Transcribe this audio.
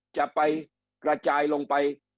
จะไปกระจายลงไป